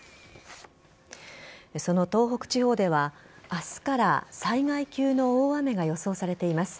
その東北地方では明日から災害級の大雨が予想されています。